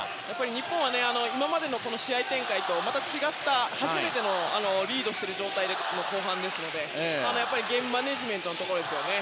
日本は今までの試合展開とまた違った初めてのリードする状態での後半ですのでゲームマネジメントのところですね。